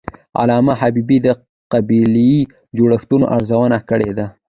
علامه حبیبي د قبایلي جوړښتونو ارزونه کړې ده.